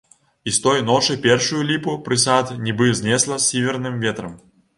І з той ночы першую ліпу прысад нібы знесла сіверным ветрам.